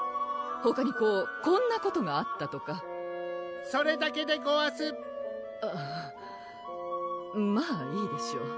ほかにこうこんなことがあったとかソレダケデゴワスあぁまぁいいでしょう